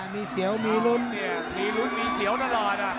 มีเสียวมีรุ้นมีรุ้นมีเสียวตลอด